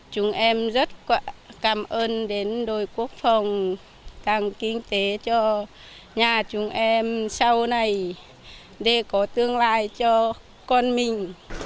chúng em rất cảm ơn đến đội quốc phòng càng kinh tế cho nhà chúng em sau này để có tương lai cho con mình